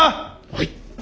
はい！